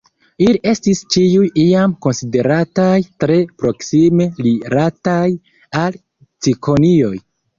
Ili estis ĉiuj iam konsiderataj tre proksime rilataj al cikonioj.